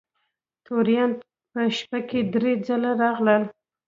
توریان په شپه کې درې ځله راغلل.